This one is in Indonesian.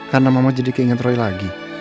karena mama jadi keinget roy lagi